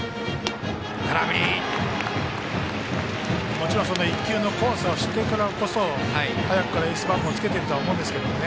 もちろん１球の怖さを知っているからこそ早くからエース番号つけていると思うんですが。